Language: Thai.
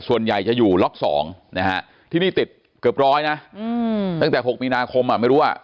ส่วนใหญ่จะอยู่ล็อก๒นะฮะที่นี่ติดเกือบร้อยนะตั้งแต่๖มีนาคมไม่รู้ว่า